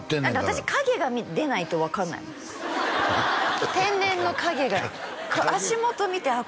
私影が出ないと分からないもん天然の影が足元見てああ